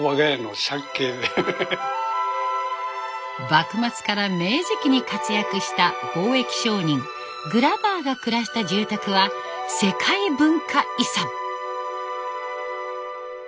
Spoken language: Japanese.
幕末から明治期に活躍した貿易商人グラバーが暮らした住宅は世界文化遺産！